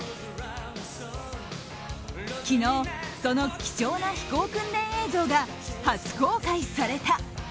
昨日、その貴重な飛行訓練映像が初公開された。